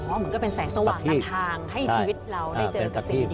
เหมือนก็เป็นแสงสว่างนำทางให้ชีวิตเราได้เจอกับสิ่งดี